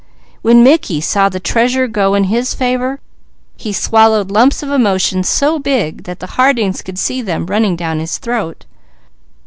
When Mickey saw the treasure go in his favour, he swallowed lumps of emotion so big that the Hardings could see them running down his throat.